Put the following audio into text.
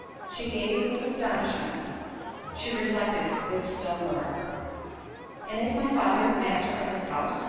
She gazed with astonishment!—she reflected with still more. "And is my father the master of this house?"